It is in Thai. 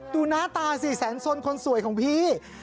ดูหน้าตาสิแสนสนคนสวยของพี่